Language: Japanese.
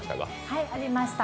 はい、ありました。